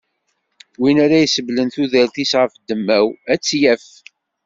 Win ara isebblen tudert-is ɣef ddemma-w, ad tt-yaf.